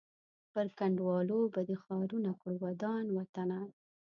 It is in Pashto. پر کنډوالو به دي ښارونه کړو ودان وطنه